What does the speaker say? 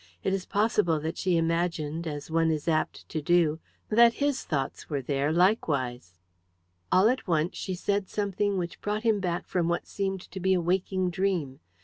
It is possible that she imagined as one is apt to do that his thoughts were there likewise. All at once she said something which brought him back from what seemed to be a waking dream.